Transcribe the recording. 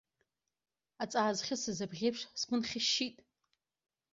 Аҵаа зхьысыз абыӷь еиԥш сгәы нхьышьшьит.